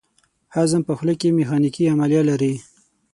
هضم په خوله کې میخانیکي عملیه لري.